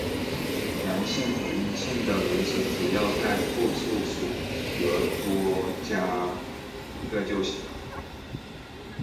阳性和阴性的名词只要在复数属格多加一个就行了。